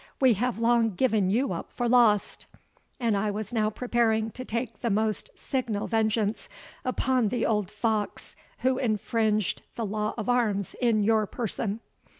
We have long given you up for lost, and I was now preparing to take the most signal vengeance upon the old fox who infringed the law of arms in your person."